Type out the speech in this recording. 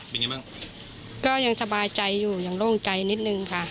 เป็นไงบ้างก็ยังสบายใจอยู่ยังโล่งใจนิดนึงค่ะ